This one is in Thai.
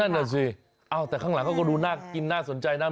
นั่นน่ะสิแต่ข้างหลังเขาก็ดูน่ากินน่าสนใจนะ